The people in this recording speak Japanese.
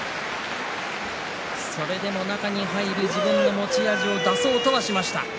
それでも中に入る、自分の持ち味を出そうとはしました。